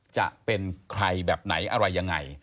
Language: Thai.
จะเป็นใครแบบไหนอะไรยังไง